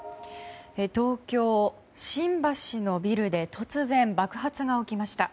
東京・新橋のビルで突然、爆発が起きました。